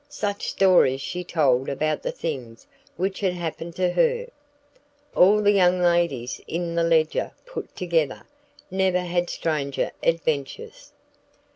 Such stories she told about the things which had happened to her! All the young ladies in The Ledger put together, never had stranger adventures.